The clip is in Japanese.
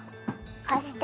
貸して！